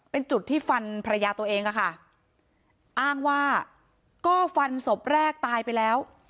เป็นจุดที่ฟันภรรยาตัวเองอะค่ะอ้างว่าก็ฟันศพแรกตายไปแล้ว